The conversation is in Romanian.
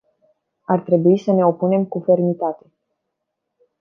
Ar trebui să ne opunem cu fermitate.